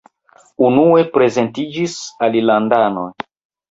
Unue prezentiĝis alilandanoj.